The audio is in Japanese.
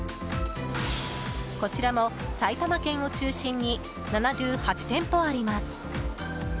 こちらも埼玉県を中心に７８店舗あります。